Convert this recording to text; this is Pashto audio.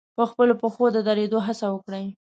په خپلو پښو د درېدو هڅه وکړي.